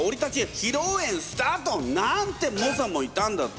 披露宴スタートなんて猛者もいたんだって！